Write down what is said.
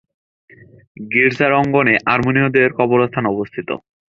গির্জার অঙ্গনে আর্মেনীয়দের কবরস্থান অবস্থিত।